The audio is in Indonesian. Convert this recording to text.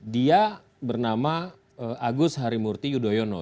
dia bernama agus harimurti yudhoyono